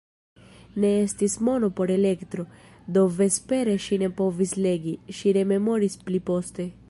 Ne estis mono por elektro, do vespere ŝi ne povis legi, ŝi rememoris pliposte.